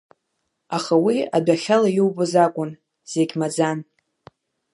Аха уи адәахьала иубоз акәын, зегь маӡан!